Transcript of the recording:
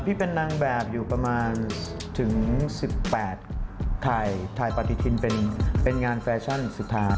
พี่เป็นนางแบบอยู่ประมาณถึง๑๘ถ่ายปฏิทินเป็นงานแฟชั่นสุดท้าย